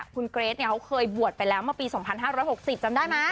คุณเกรทเขาเคยบวชไปแล้วเมื่อปี๒๕๖๐จำได้ไหม